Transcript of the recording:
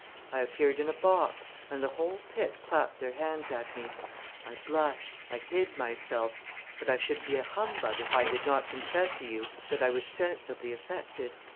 I appeared in a box, and the whole pit clapped their hands at me. I blushed, I hid myself; but I should be a humbug if I did not confess to you that I was sensibly affected.